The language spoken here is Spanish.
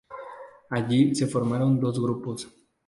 Allí se formaron dos grupos.